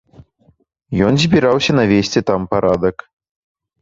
Ён збіраўся навесці там парадак.